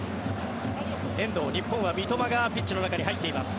日本は三笘がピッチの中に入っています。